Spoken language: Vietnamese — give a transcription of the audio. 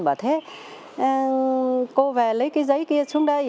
bảo thế cô về lấy cái giấy kia xuống đây